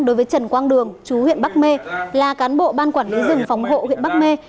đối với trần quang đường chú huyện bắc mê là cán bộ ban quản lý rừng phòng hộ huyện bắc mê